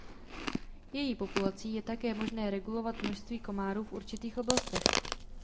Její populací je také možné regulovat množství komárů v určitých oblastech.